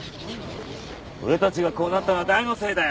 俺たちがこうなったのは誰のせいだよ！